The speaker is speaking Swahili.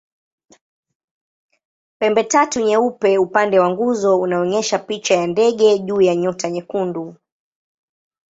Pembetatu nyeupe upande wa nguzo unaonyesha picha ya ndege juu ya nyota nyekundu.